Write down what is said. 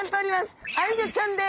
アイギョちゃんです。